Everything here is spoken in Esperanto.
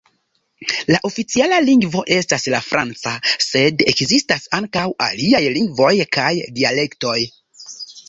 La oficiala lingvo estas la franca, sed ekzistas ankaŭ aliaj lingvoj kaj dialektoj.